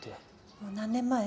もう何年前？